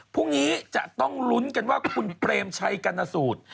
พรุ่งนี้จะต้องหลุ้นกันว่าคุณเตรียมชายกัณฑาสูร